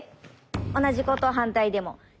同じことを反対でも。